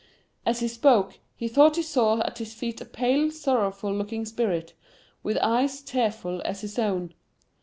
As he spoke, he thought he saw at his feet a pale, sorrowful looking spirit, with eyes tearful as his own.